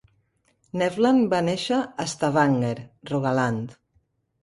Nevland va néixer a Stavanger, Rogaland.